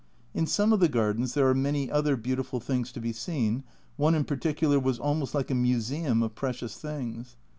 In some of the gardens there are many other beautiful things to be seen, one in particular was almost like a museum of precious things.